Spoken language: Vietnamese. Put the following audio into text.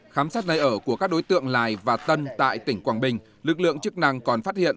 khám xét nơi ở của các đối tượng lài và tân tại tỉnh quảng bình lực lượng chức năng còn phát hiện